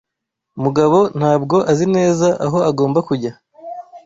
Mugabo ntabwo azi neza aho agomba kujya.